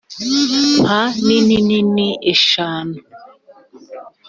mpa nini nini eshanu!